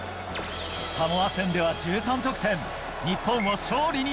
サモア戦では１３得点。